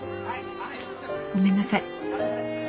ごめんなさい。